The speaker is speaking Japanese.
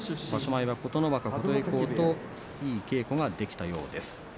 前は琴ノ若、琴恵光といい稽古ができたようです。